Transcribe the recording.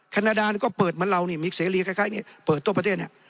แคนนาดาเนี่ยก็เปิดมะเหลามีสเซรีค่อยเปิดตัวประเทศนี้